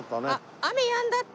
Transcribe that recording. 雨やんだって。